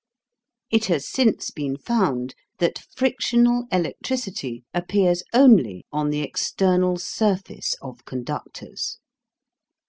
It has since been found that FRICTIONAL ELECTRICITY APPEARS ONLY ON THE EXTERNAL SURFACE OF CONDUCTORS.